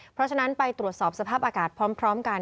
เพราะฉะนั้นไปตรวจสอบสภาพอากาศพร้อมกัน